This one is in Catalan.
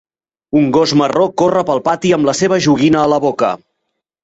Un gos marró corre pel pati amb la seva joguina a la boca.